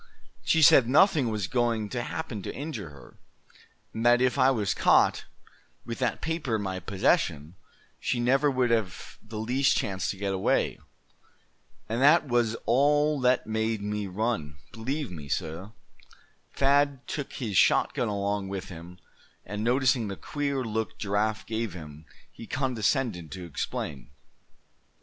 She said nothing was going to happen to injure her; and that if I was caught, with that paper in my possession, she never would have the least chance to get away. And that was all that made me run, believe me, suh." Thad took his shotgun along with him; and noticing the queer look Giraffe gave him, he condescended to explain.